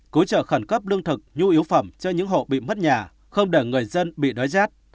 cứu trợ khẩn cấp lương thực nhu yếu phẩm cho những hộ bị mất nhà không để người dân bị đói rét